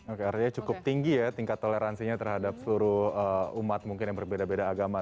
oke artinya cukup tinggi ya tingkat toleransinya terhadap seluruh umat mungkin yang berbeda beda agama